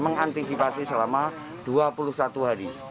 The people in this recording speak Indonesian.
mengantisipasi selama dua puluh satu hari